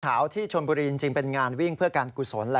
อาหารที่ชมบุรีเป็นงานวิ่งเพื่อการกุษล